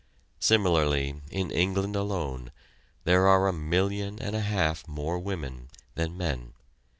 Similarly, in England alone, there are a million and a half more women than men.